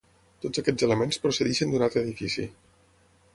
Tots aquests elements procedeixen d'un altre edifici.